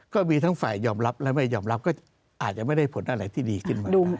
ก็มีทั้งฝ่ายยอมรับและไม่ยอมรับก็อาจจะไม่ได้ผลอะไรที่ดีขึ้นมา